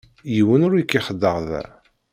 Yiwen ur k-ixeddeε da.